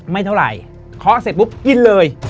ไม่เท่าไหร่เคาะเสร็จปุ๊บกินเลย